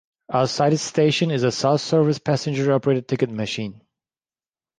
Outside the station is a self-service passenger-operated ticket machine.